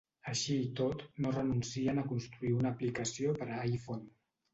Així i tot, no renuncien a construir una aplicació per a iPhone.